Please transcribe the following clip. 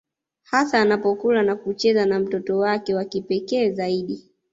Hasa anapokula na kucheza na mtoto wake wa kipekee zaidi